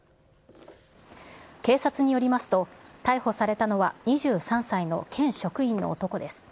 警察によりますと逮捕されたのは２３歳の県職員の男です。